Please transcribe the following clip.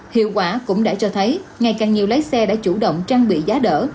hiệu quả cũng đã cho thấy ngày càng nhiều lái xe đã chủ động trang bị giá đỡ